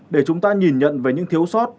để chúng ta nhìn nhận về những thiếu sót